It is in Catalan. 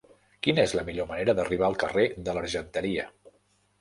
Quina és la millor manera d'arribar al carrer de l'Argenteria?